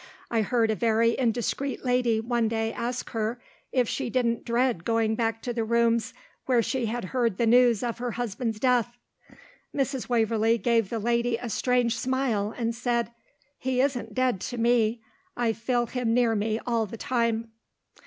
I heard a very indiscreet lady one day ask her if she didn't dread going back to the rooms where she had heard the news of her husband's death. Mrs. Waverlee gave the lady a strange smile and said, "He isn't dead to me. I feel him near me all the time."